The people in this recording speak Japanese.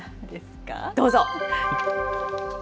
どうぞ。